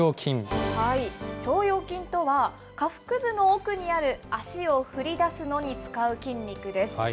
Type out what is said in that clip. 腸腰筋とは、下腹部の奥にある足を振り出すのに使う筋肉です。